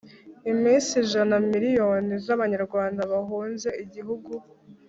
Iminsi ijana miliyoni z’abanyarwanda bahunze igihugu,